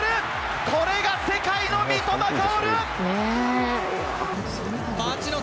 これが世界の三笘薫！